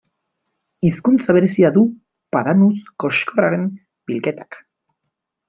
Hizkuntza berezia du pandanus koxkorraren bilketak.